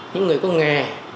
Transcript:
những người có nghề